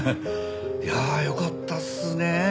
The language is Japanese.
いやあよかったですね